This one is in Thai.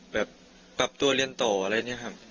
แบบปรับตัวเรียนต่ออะไรเนี่ยครับ